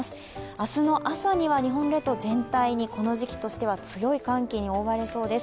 明日の朝には日本列島全体にこの時期としては強い寒気に覆われそうです。